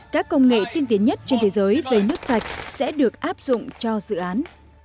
các công nghệ tiên tiến nhất trên thế giới về nước sạch sẽ được áp dụng cho dự án